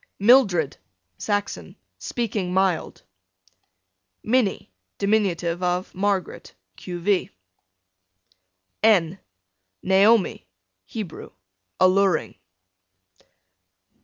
Mildred, Saxon, speaking mild. Minnie, dim. of Margaret. q. v. N Naomi, Hebrew, alluring.